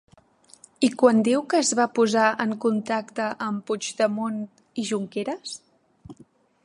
I quan diu que es va posar en contacte amb Puigdemont i Junqueras?